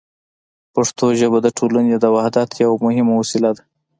پښتو ژبه د ټولنې د وحدت یوه مهمه وسیله ده.